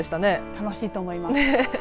楽しいと思います。